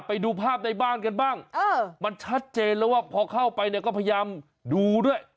ไปดูภาพในบ้านกันบ้างมันชัดเจนแล้วว่าพอเข้าไปเนี่ยก็พยายามดูด้วย